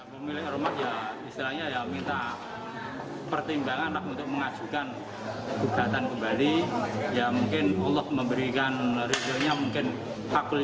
pemilik rumah ya misalnya yang minta pertimbangan untuk mengasuhkan kegiatan kembali